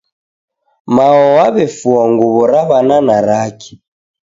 Mao wawefua nguwo Ra Wana na rake.